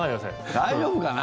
大丈夫かな？